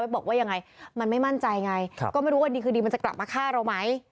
บอกว่ายังไงมันไม่มั่นใจไงก็ไม่รู้ว่าดีคือดีมันจะกลับมาฆ่าเราไหม